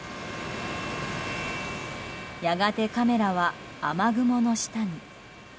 やがてカメラは雨雲の下に。